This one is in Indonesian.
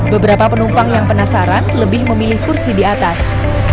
beberapa penumpang yang penasaran lebih memilih kursi di atas